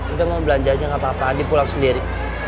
udah mau belanja aja gak apa apa andi pulang sendiri